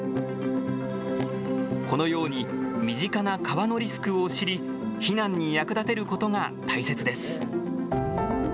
このように身近な川のリスクを知り避難に役立てることが大切です。